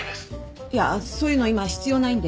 いやそういうの今必要ないんで。